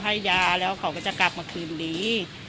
ใจมั๊ยยยะอาเล่าให้ยาเขาก็จะกลับมาคืนหรี